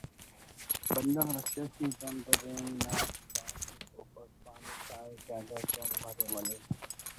بندغ رکشہ ٹی دم درینگ نا باک ءِ توپک پانے کاہے جگہ جون مرے ولے